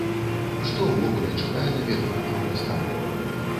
Што ўвогуле чакае наведвальнікаў выставы?